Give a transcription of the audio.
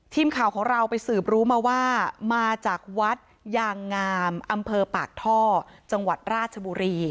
ทีมข่าวของเราไปสืบรู้มาว่ามาจากวัดยางงามอำเภอปากท่อจังหวัดราชบุรี